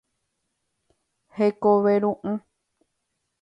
Hekove ru'ã.